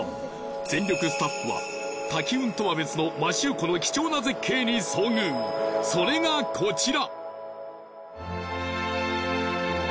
全力スタッフは滝雲とは別の摩周湖の貴重な絶景に遭遇それがコチラ！